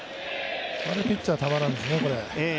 ピッチャーたまらんですね。